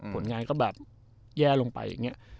ผลงานก็แบบแย่ลงไป